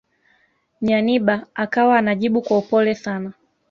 Nyanibah akawa anajibu kwa upole sana